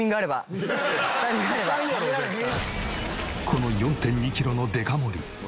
この４．２キロのデカ盛り